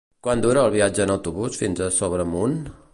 Quant dura el viatge en autobús fins a Sobremunt?